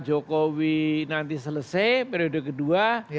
jokowi nanti selesai periode kedua